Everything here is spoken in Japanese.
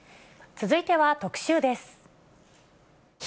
続いては特集です。